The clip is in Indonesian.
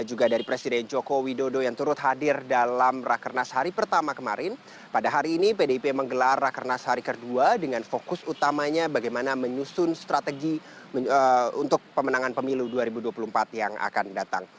untuk pemenangan pemilu dua ribu dua puluh empat yang akan datang